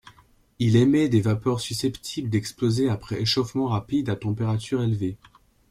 Il émet des vapeurs susceptibles d’exploser après échauffement rapide à température élevée.